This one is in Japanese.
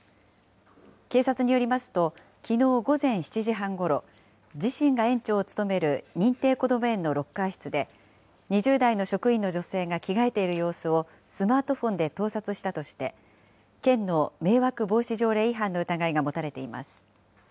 警察によりますと、きのう午前７時半ごろ、自身が園長を務める認定こども園のロッカー室で、２０代の職員の女性が着替えている様子をスマートフォンで盗撮したとして、県の迷惑防止条例違反の疑いが持たれています。